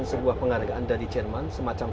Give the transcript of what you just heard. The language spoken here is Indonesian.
sebuah penghargaan dari jerman semacam